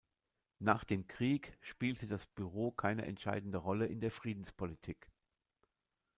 Nach dem Krieg spielte das Büro keine entscheidende Rolle in der Friedenspolitik.